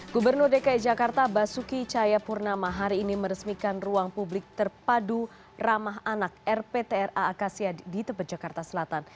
gubernur dki jakarta basuki cahayapurnama hari ini meresmikan ruang publik terpadu ramah anak rptra akasia di tebet jakarta selatan